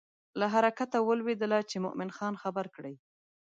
له حرکته ولوېدله چې مومن خان خبر کړي.